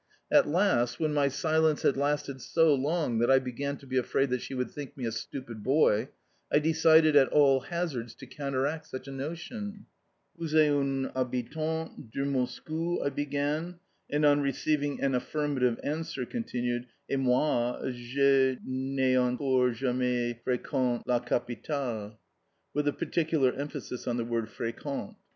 At last, when my silence had lasted so long that I began to be afraid that she would think me a stupid boy, I decided at all hazards to counteract such a notion. "Vous etes une habitante de Moscou?" I began, and, on receiving an affirmative answer, continued. "Et moi, je n'ai encore jamais frequente la capitale" (with a particular emphasis on the word "frequente").